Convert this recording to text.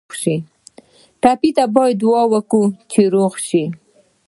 ټپي ته باید دعا کوو چې روغ شي.